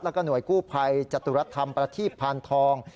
แล้วก็หน่วยกู้ภัยจตุรธรรมประทีพานทอง